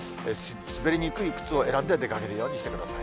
滑りにくい靴を選んで出かけるようにしてください。